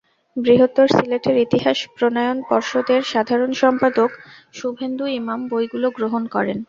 বৃহত্তর সিলেটের ইতিহাস প্রণয়ন পর্ষদের সাধারণ সম্পাদক শুভেন্দু ইমাম বইগুলো গ্রহণ করেন।